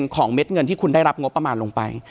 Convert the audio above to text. เม็ดเงินที่คุณได้รับงบประมาณลงไป